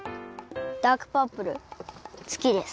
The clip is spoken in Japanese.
ダークパープルすきです。